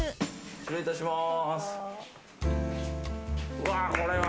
失礼いたします。